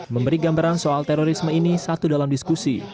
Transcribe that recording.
memberi gambaran soal terorisme ini satu dalam diskusi